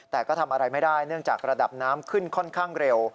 แต่ก็ทำอะไรไม่ได้เนื่องจากระดับน้ำขึ้นค่อนข้างเร็ว